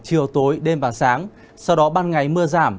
chiều tối đêm và sáng sau đó ban ngày mưa giảm